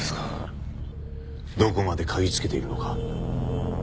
どこまで嗅ぎつけているのか。